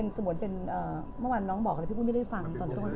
สงวนเป็นเมื่อวานน้องบอกอะไรพี่ปุ้ยไม่ได้ฟังตอนต้น